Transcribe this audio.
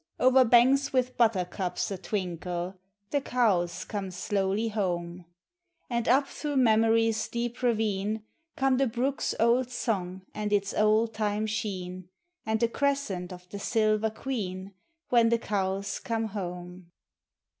O'er banks with butter cups a twinkle The cows eoine slowly home; And up through memory's deep ravine, Come the brook's old song and its old time sheen, And the crescent of the silver queen, When the cows come home.